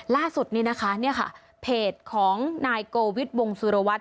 ล่าสุดนี้นะคะเพจของนายโกวิทบงสุรวัตน์